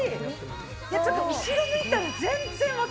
ちょっと後ろ向いたら全然分